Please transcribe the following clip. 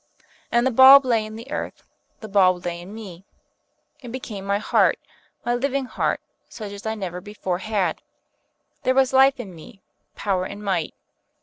And the bulb lay in the earth, the bulb lay in me, it became my heart, my living heart, such as I never before had. There was life in me, power and might.